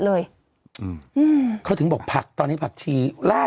ศูนย์อุตุนิยมวิทยาภาคใต้ฝั่งตะวันอ่อค่ะ